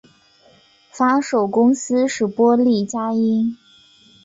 发售公司是波丽佳音。